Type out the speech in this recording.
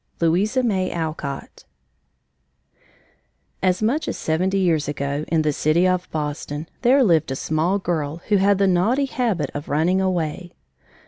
LOUISA MAY ALCOTT As much as seventy years ago, in the city of Boston, there lived a small girl who had the naughty habit of running away.